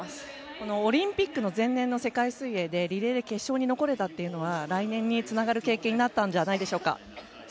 このオリンピックの前年の世界水泳でリレーで決勝に残れたというのは来年につながる経験になったんじゃないでしょうか？